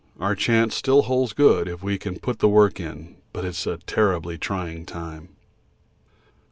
Our chance still holds good if we can put the work in, but it's a terribly trying time.